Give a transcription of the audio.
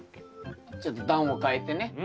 ちょっと段を変えてね。